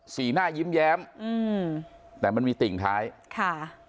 สีหน้ายิ้มแย้มอืมแต่มันมีติ่งท้ายค่ะ